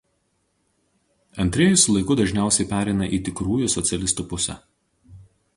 Antrieji su laiku dažniausiai pereina į "tikrųjų" socialistų pusę.